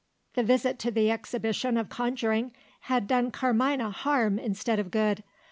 The visit to the exhibition of conjuring had done Carmina harm instead of good.